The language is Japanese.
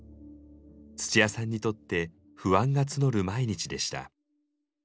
つちやさんにとって不安が募る毎日でした。